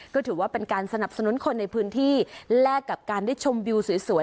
ก็ถือว่าเป็นการสนับสนุนคนในพื้นที่แลกกับการได้ชมวิวสวย